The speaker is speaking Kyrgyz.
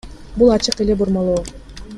Бул ачык эле бурмалоо.